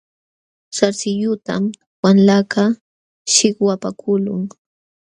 Sarsilluntam wamlakaq shikwapakuqlun.